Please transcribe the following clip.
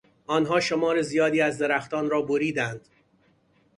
آنها شمار زیادی از درختان را بریدند.